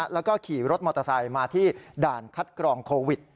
แล้วก็ขี่รถมอเตอร์ไซค์มาที่ด่านคัดกรองโควิด